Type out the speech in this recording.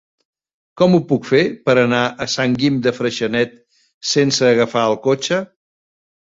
Com ho puc fer per anar a Sant Guim de Freixenet sense agafar el cotxe?